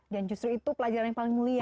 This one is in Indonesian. dan justru itu pelajaran yang paling mulia ya